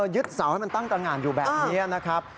ยึดเสาให้มันตั้งตรงานอยู่แบบนี้นะครับ